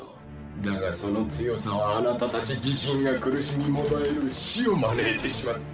だがその強さはあなたたち自身が苦しみ悶える死を招いてしまった。